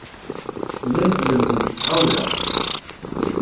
Llant lemmdent s tɣawla.